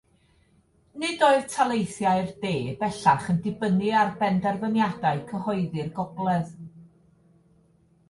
Nid oedd taleithiau'r De bellach yn dibynnu ar benderfyniadau cyhoeddi'r Gogledd.